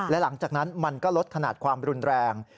และหลังจากนั้นมันก็ลดขนาดความรุนแรง